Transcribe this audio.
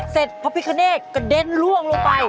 เสร็จพระพิฆเนตกระเด็นล่วงลงไป